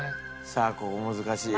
さあここ難しいよ。